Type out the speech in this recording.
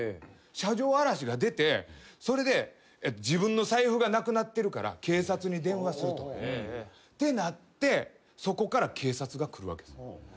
車上荒らしが出てそれで自分の財布がなくなってるから警察に電話すると。ってなってそこから警察が来るわけです。